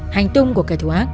hành tung của kẻ thù ác